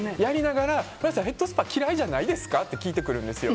お客さん、ヘッドスパ嫌いじゃないですか？って聞いてくるんですよ。